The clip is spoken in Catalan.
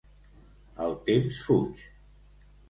El temps fuig.